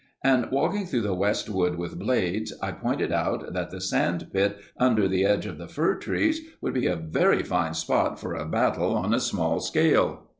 And, walking through the West Wood with Blades, I pointed out that the sand pit, under the edge of the fir trees, would be a very fine spot for a battle on a small scale.